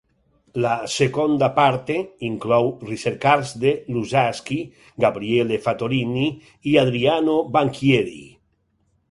La "Seconda parte" inclou ricercars de Luzzaschi, Gabriele Fattorini i Adriano Banchieri.